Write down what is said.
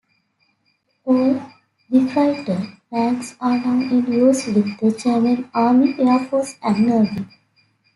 All "Gefreiter" ranks are now in use with the German Army, Airforce and Navy.